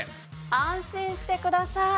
安心してください。